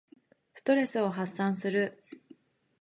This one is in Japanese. ストレスを発散する。